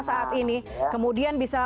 saat ini kemudian bisa